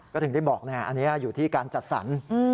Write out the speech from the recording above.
ก็ถึงได้บอกอันนี้อยู่ที่การจัดสรร